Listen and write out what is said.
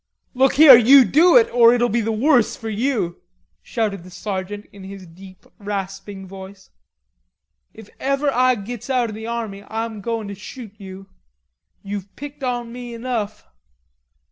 "Look here, you do it or it'll be the worse for you," shouted the sergeant in his deep rasping voice. "If ever Ah gits out o' the army Ah'm goin' to shoot you. You've picked on me enough."